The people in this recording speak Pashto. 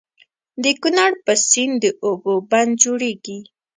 د کنړ په سيند د اوبو بند جوړيږي.